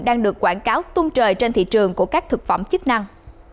đang được quảng cáo tung trời trên thị trường của các thực phẩm chức năng